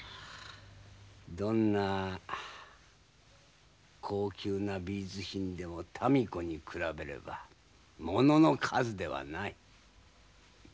どんな高級な美術品でも民子に比べれば物の数ではない。